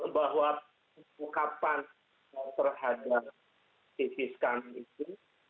bahwa pengungkapan terhadap tipis kami itu